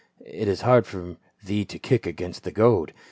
It is hard for thee to kick against the goad.